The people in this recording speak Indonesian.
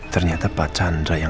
ternyata pak chandra yang